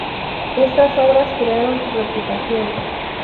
Estas obras crearon su reputación.